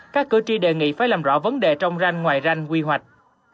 các cử tri đề nghị phải làm rõ vấn đề trong ranh ngoài ranh quy hoạch